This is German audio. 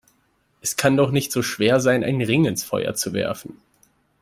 Es kann doch nicht so schwer sein, einen Ring ins Feuer zu werfen!